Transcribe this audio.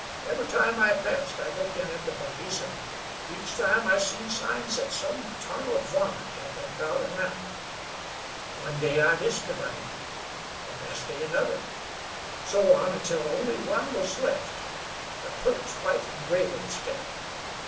Every time I passed I'd look in at the bunnies, an' each time I seen signs that some tarnal varmint had been prowlin' round. One day I missed a bunny, an' next day another; so on until only one was left, a peart white and gray little scamp.